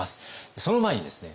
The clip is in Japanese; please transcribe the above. その前にですね